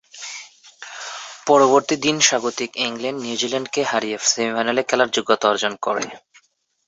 পরবর্তী দিন স্বাগতিক ইংল্যান্ড নিউজিল্যান্ডকে হারিয়ে সেমিফাইনালে খেলার যোগ্যতা অর্জন করে।